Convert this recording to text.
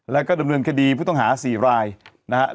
แล้วก็ดำเนินคดีผู้ต้องหา๔รายนะครับ